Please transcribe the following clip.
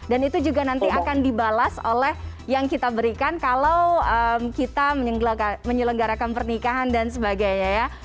itu juga nanti akan dibalas oleh yang kita berikan kalau kita menyelenggarakan pernikahan dan sebagainya ya